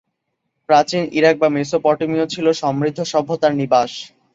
প্রাচীন ইরাক বা মেসোপটেমিয়া ছিলো সমৃদ্ধ সভ্যতার নিবাস।